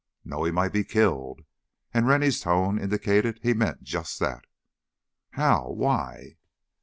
"No, he might be killed!" And Rennie's tone indicated he meant just that. "How...why?"